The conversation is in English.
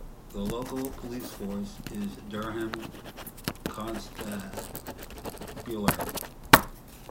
The local police force is Durham Constabulary.